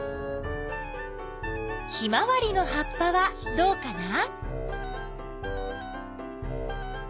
ヒマワリの葉っぱはどうかな？